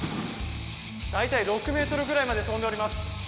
大体６ｍぐらいまで跳んでおります